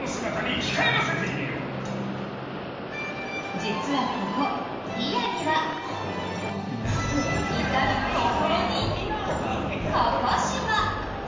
実はここ、祖谷には至るところに、かかしが！